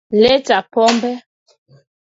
Leta Pombe